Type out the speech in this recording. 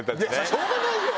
しょうがないよ！